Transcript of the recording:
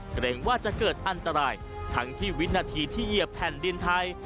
เกรงว่าจะเกิดอันตรายทั้งที่วินาทีที่เหยียบแผ่นดินไทย